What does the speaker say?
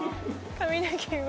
髪の毛が。